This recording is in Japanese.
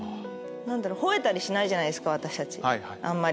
ほえたりしないじゃないですか私たちあんまり。